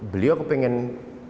beliau kepingin ya